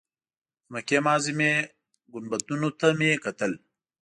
د مکې معظمې ګنبدونو ته مې کتل.